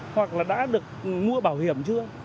hoặc là đã được mua bảo hiểm chưa